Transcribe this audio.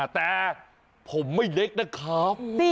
แต่ผมไม่เล็กนะครับ